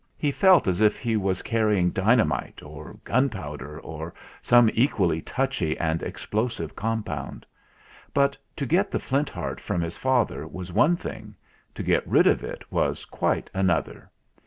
He felt as if he was carrying dynamite, or gunpowder, or some equally touchy and explosive compound. But to get the Flint Heart from his father was one thing; to get rid of it was quite another.